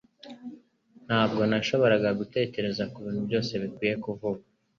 Ntabwo nashoboraga gutekereza kubintu byose bikwiye kuvuga